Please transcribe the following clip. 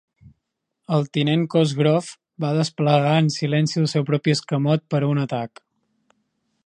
El tinent Cosgrove va desplegar en silenci el seu propi escamot per a un atac.